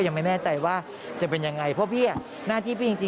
คือแม้ว่าจะมีการเลื่อนงานชาวพนักกิจแต่พิธีไว้อาลัยยังมีครบ๓วันเหมือนเดิม